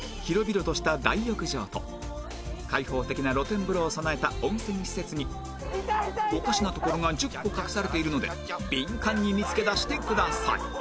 広々とした大浴場と開放的な露天風呂を備えた温泉施設におかしなところが１０個隠されているのでビンカンに見つけ出してください